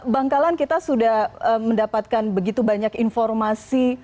bangkalan kita sudah mendapatkan begitu banyak informasi